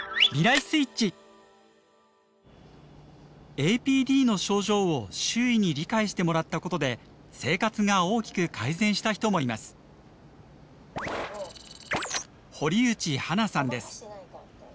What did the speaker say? ＡＰＤの症状を周囲に理解してもらったことで生活が大きく改善した人もいます。